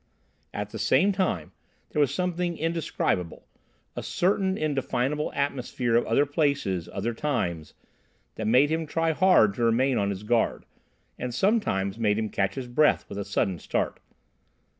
At the same time, there was something indescribable—a certain indefinable atmosphere of other places, other times—that made him try hard to remain on his guard, and sometimes made him catch his breath with a sudden start.